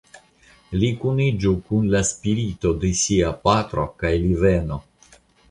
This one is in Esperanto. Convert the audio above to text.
Li kuniĝu kun la spirito de sia patro kaj li venu!